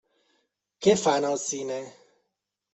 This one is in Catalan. Què fan al cine?